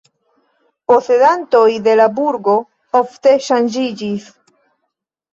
Posedantoj de la burgo ofte ŝanĝiĝis.